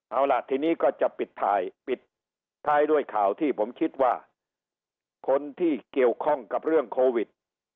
เอาล่ะทีนี้ก็จะปิดท้ายปิดท้ายด้วยข่าวที่ผมคิดว่าคนที่เกี่ยวข้องกับเรื่องโควิด